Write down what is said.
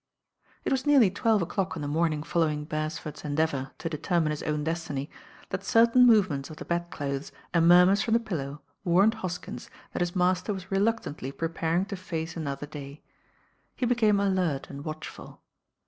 It was nearly twelve o'clock on the morning fol lowing Beresford's endeavour to determine his own destiny, that certain movements of the bed clothes and nmrmurs from the pillow warned Hoskins that his master was relactantly preparing to face another day. He became alert and watchful.